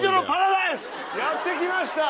やって来ました。